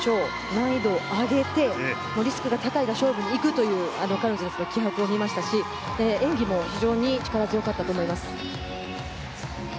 難易度を上げて、リスクも高いが勝負に行くという彼女たちの気迫を見ましたし演技も非常に力強かったと思います。